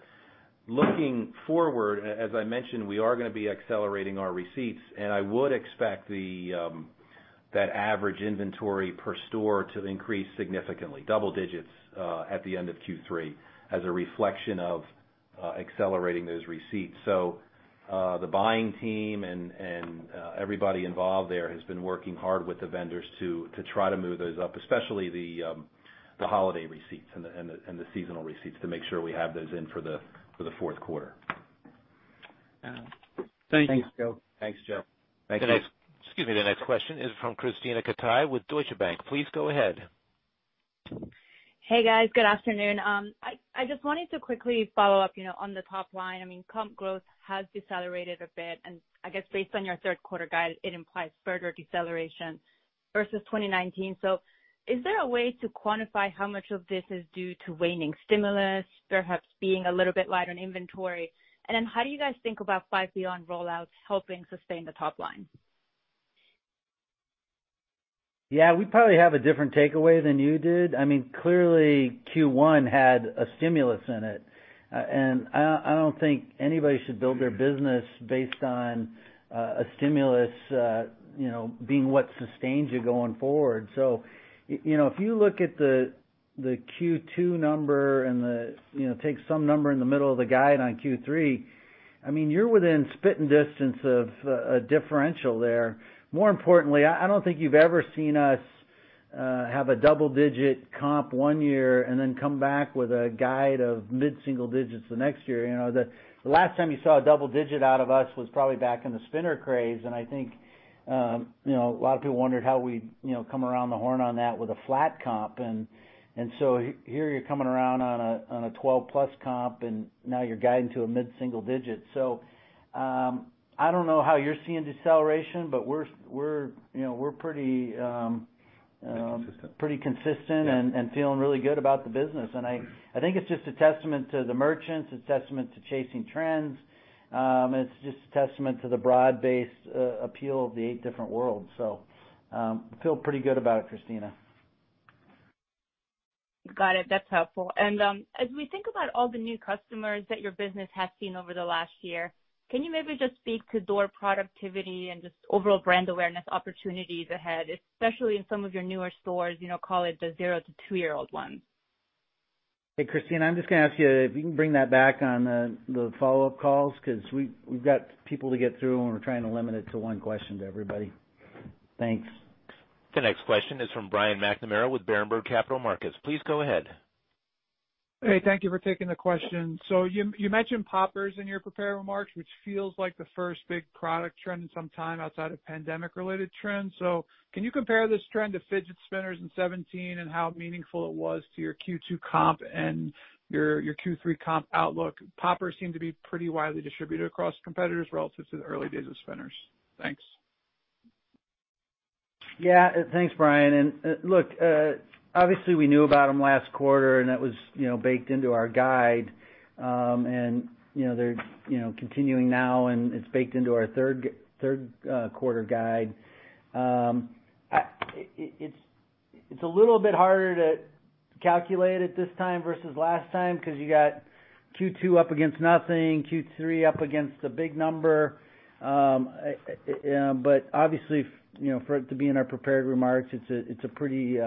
Looking forward, as I mentioned, we are going to be accelerating our receipts, and I would expect that average inventory per store to increase significantly, double digits, at the end of Q3 as a reflection of accelerating those receipts. The buying team and everybody involved there has been working hard with the vendors to try to move those up, especially the holiday receipts and the seasonal receipts to make sure we have those in for the fourth quarter. Thank you. Thanks, Joe. Thanks, Joe. Excuse me. The next question is from Krisztina Katai with Deutsche Bank. Please go ahead. Hey, guys. Good afternoon. I just wanted to quickly follow up on the top line. Comp growth has decelerated a bit, and I guess based on your third quarter guide, it implies further deceleration versus 2019. Is there a way to quantify how much of this is due to waning stimulus perhaps being a little bit light on inventory? How do you guys think about Five Beyond rollouts helping sustain the top line? Yeah. We probably have a different takeaway than you did. Clearly, Q1 had a stimulus in it. I don't think anybody should build their business based on a stimulus being what sustains you going forward. If you look at the Q2 number and take some number in the middle of the guide on Q3, you're within spitting distance of a differential there. More importantly, I don't think you've ever seen us have a double-digit comp one year and then come back with a guide of mid-single digits the next year. The last time you saw a double-digit out of us was probably back in the spinner craze, and I think a lot of people wondered how we'd come around the horn on that with a flat comp. Here you're coming around on a 12-plus comp, and now you're guiding to a mid-single digit. I don't know how you're seeing deceleration, but we're pretty consistent and feeling really good about the business. I think it's just a testament to the merchants. It's a testament to chasing trends. It's just a testament to the broad-based appeal of the eight different worlds. Feel pretty good about it, Krisztina. Got it. That's helpful. As we think about all the new customers that your business has seen over the last year, can you maybe just speak to door productivity and just overall brand awareness opportunities ahead, especially in some of your newer stores, call it the zero to two-year-old ones? Hey, Krisztina, I'm just going to ask you if you can bring that back on the follow-up calls, because we've got people to get through, and we're trying to limit it to one question to everybody. Thanks. The next question is from Brian McNamara with Berenberg Capital Markets. Please go ahead. Hey, thank you for taking the question. You mentioned poppers in your prepared remarks, which feels like the first big product trend in some time outside of pandemic-related trends. Can you compare this trend to fidget spinners in 2017 and how meaningful it was to your Q2 comp and your Q3 comp outlook? Poppers seem to be pretty widely distributed across competitors relative to the early days of spinners. Thanks. Yeah. Thanks, Brian. Look, obviously we knew about them last quarter, and that was baked into our guide. They're continuing now, and it's baked into our third quarter guide. It's a little bit harder to calculate it this time versus last time, because you got Q2 up against nothing, Q3 up against a big number. Obviously, for it to be in our prepared remarks, it's a pretty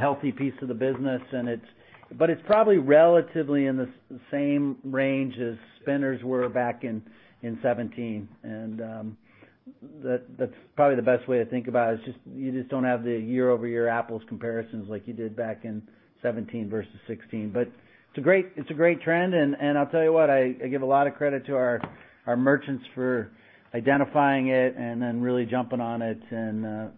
healthy piece of the business. It's probably relatively in the same range as spinners were back in 2017. That's probably the best way to think about it. It's just you just don't have the year-over-year apples comparisons like you did back in 2017 versus 2016. It's a great trend, and I'll tell you what, I give a lot of credit to our merchants for identifying it and then really jumping on it and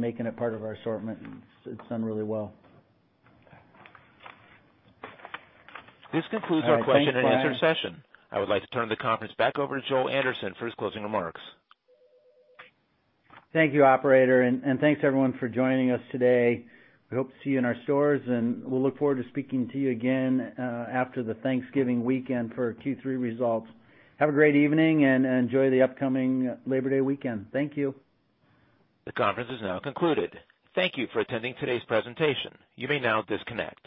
making it part of our assortment. It's done really well. This concludes our question and answer session. I would like to turn the conference back over to Joel Anderson for his closing remarks. Thank you, operator, and thanks, everyone, for joining us today. We hope to see you in our stores, and we'll look forward to speaking to you again after the Thanksgiving weekend for Q3 results. Have a great evening, and enjoy the upcoming Labor Day weekend. Thank you. The conference is now concluded. Thank you for attending today's presentation. You may now disconnect.